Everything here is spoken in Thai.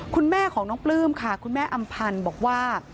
คุณแม่ของน้องปลื้มค่ะคุณแม่อำพันธ์บอกว่า